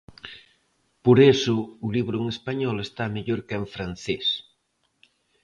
Por iso o libro en español está mellor que en francés.